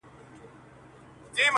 صرف و نحو دي ویلي که نه دي٫